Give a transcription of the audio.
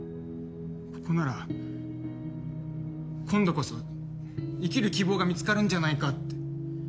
ここなら今度こそ生きる希望が見つかるんじゃないかって。